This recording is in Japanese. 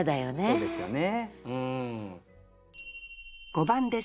そうですよね。